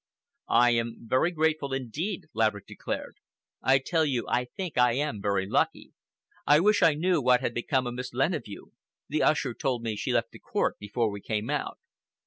"I am very grateful indeed," Laverick declared. "I tell you I think I am very lucky. I wish I knew what had become of Miss Leneveu. The usher told me she left the court before we came out."